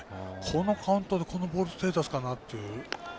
このカウントでこのボールステータスかっていう。